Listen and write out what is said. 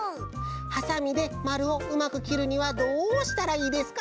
「はさみでまるをうまくきるにはどうしたらいいですか？」